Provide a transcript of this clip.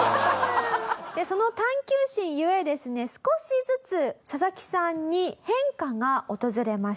その探究心ゆえですね少しずつササキさんに変化が訪れました。